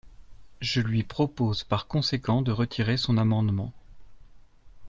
Je lui propose par conséquent de retirer son amendement.